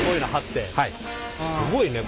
すごいね！